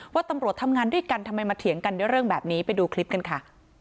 ว่าตำรวจทำงานด้วยกันทำไมมาเถียงกันด้วยเรื่องแบบนี้ไปดูคลิปกันค่ะ